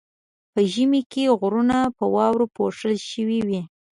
په ژمي کې غرونه په واورو پوښل شوي وي.